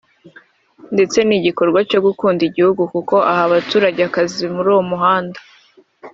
ndetse ni nigikorwa cyo gukunda igihugu kuko aha abaturage akazi muri uwo muhanda »